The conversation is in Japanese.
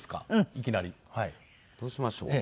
いきなり。どうしましょう？